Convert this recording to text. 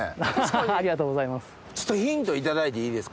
ありがとうございます。